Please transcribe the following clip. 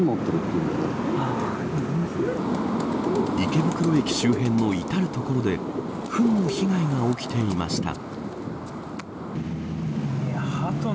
池袋駅周辺の至る所でふんの被害が起きていました。